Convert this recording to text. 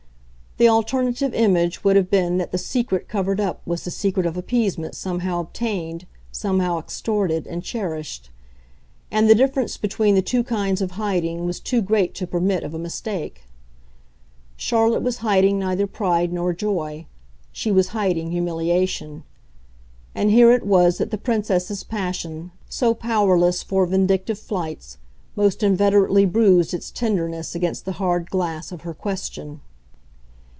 The alternative image would have been that the secret covered up was the secret of appeasement somehow obtained, somehow extorted and cherished; and the difference between the two kinds of hiding was too great to permit of a mistake. Charlotte was hiding neither pride nor joy she was hiding humiliation; and here it was that the Princess's passion, so powerless for vindictive flights, most inveterately bruised its tenderness against the hard glass of her question.